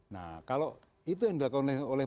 nah kalau itu yang dilakukan oleh